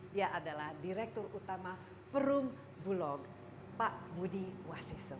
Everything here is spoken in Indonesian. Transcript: dia adalah direktur utama purung bulog pak budi wasiso